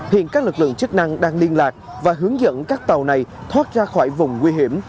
hiện các lực lượng chức năng đang liên lạc và hướng dẫn các tàu này thoát ra khỏi vùng nguy hiểm